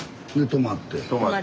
泊まって。